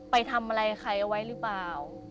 ไปทำอะไรใครเอาไว้หรือเปล่า